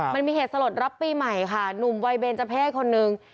มันมีเหตุสลดรับปีใหม่ค่ะหนุ่มวัยเบนเจอร์เพศคนนึง